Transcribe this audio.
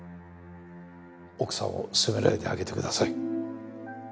奥さんを責めないであげてください。